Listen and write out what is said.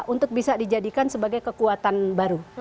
untuk bisa dijadikan sebagai kekuatan baru